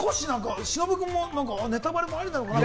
忍君もネタバレもありなのかなって。